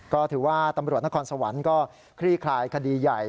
ก็ถือว่าตำรวจนครสวรรค์ก็คลี่คลายคดีใหญ่